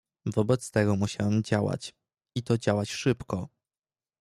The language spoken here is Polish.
"Wobec tego musiałem działać i to działać szybko."